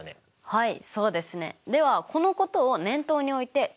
はい。